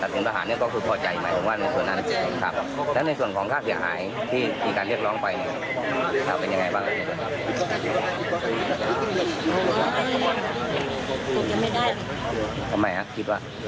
ด่านพ่อตาของอัญชาลี